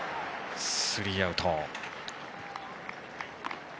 スリーアウト。